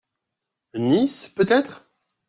Nice, peut-être ?…